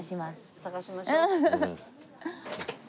探しましょう。